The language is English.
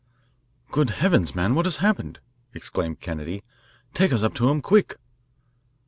"Good heavens, man, what has happened?" exclaimed Kennedy. "Take us up to him quick."